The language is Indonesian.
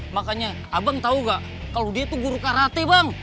makanya abang tahu nggak kalau dia itu guru karate bang